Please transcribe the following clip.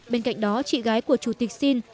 bên cạnh đó chị gái của chủ tịch sin